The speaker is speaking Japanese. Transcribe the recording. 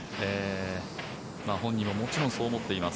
本人ももちろんそう思っています。